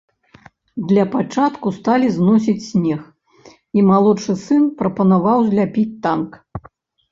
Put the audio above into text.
Для пачатку сталі зносіць снег, і малодшы сын прапанаваў зляпіць танк.